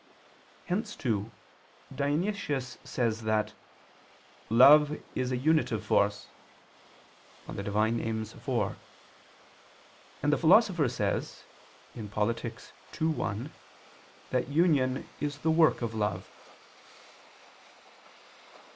Hence, too, Dionysius says that "love is a unitive force" (Div. Nom. iv), and the Philosopher says (Polit. ii, 1) that union is the work of love.